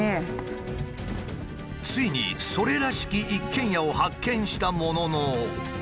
ついにそれらしき一軒家を発見したものの。